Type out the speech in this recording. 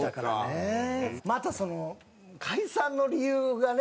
またその解散の理由がね。